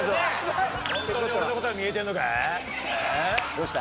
どうした？